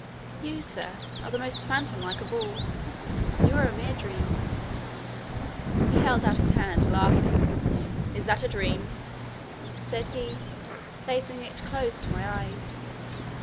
"You, sir, are the most phantom like of all: you are a mere dream." He held out his hand, laughing. "Is that a dream?" said he, placing it close to my eyes.